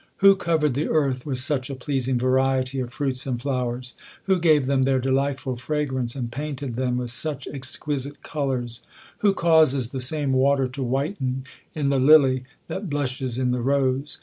Who covered the. earth with such a pleasing variety of fruits and flowers ? Who gave . them their delightful fragrance, and painted them with i such exquisite colours ? Who causes the same water to whiten in the lily, that blushes in the rose